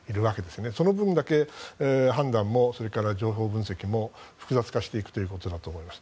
その分だけ判断もそれから情報分析も複雑化していくということだと思います。